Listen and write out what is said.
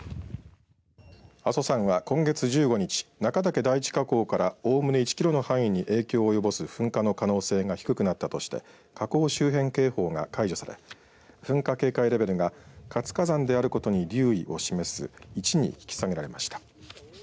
阿蘇山は今月１５日、中岳第一火口からおおむね１キロの範囲に影響を及ぼす噴火の可能性が低くなったとして火口周辺警報が解除され噴火警戒レベルが活火山であることに留意を示す１に引き下げられました。